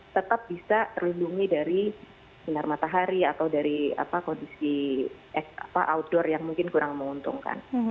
tetap bisa terlindungi dari sinar matahari atau dari kondisi outdoor yang mungkin kurang menguntungkan